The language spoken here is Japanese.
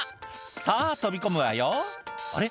「さぁ飛び込むわよあれ？